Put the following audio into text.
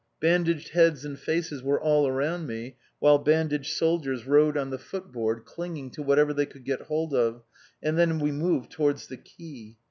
Bandaged heads and faces were all around me, while bandaged soldiers rode on the foot board, clinging to whatever they could get hold of, and then we moved towards the quay.